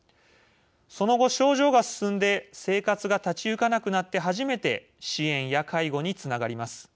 その後、症状が進んで生活が立ち行かなくなって初めて支援や介護につながります。